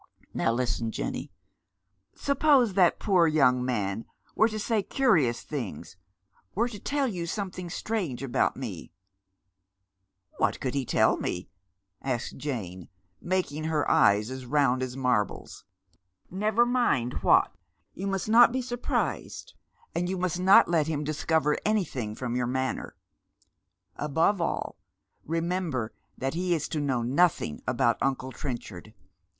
Now listen, Jenny. Suppose that poor young man were to say curious things — were to tell you something strange about me "" What could he tell me? " asks Jane, making her eyes as round as marbles. " Never mind what. You must not be surprised, and you must not let him discover anything from your manner. Above all, re member that he is to know nothing about uncle Trenchard.